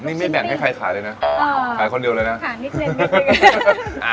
นี่ไม่ยอมให้ใครขายเลยนะอ๋อขายคนเดียวเลยนะขายสีเร็จหน้ากัน